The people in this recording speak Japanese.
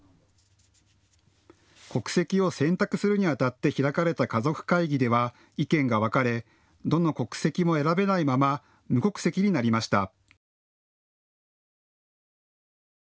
国籍を選択するにあたって開かれた家族会議では意見が分かれ、どの国籍も選べないまま無国籍になりました。